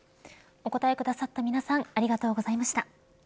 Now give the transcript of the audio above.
お答えくださった皆さんありがとうございました。